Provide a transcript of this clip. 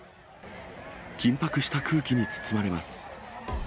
緊迫した空気に包まれます。